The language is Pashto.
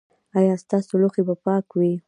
ایا ستاسو لوښي به پاک وي؟